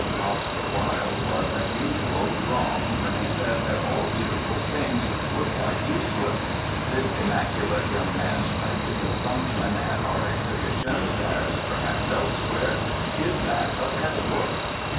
Oscar Wilde was, as usual, wrong when he said that all beautiful things were quite useless. This immaculate young man's practical function at art exhibitions, as perhaps elsewhere, is that of escort.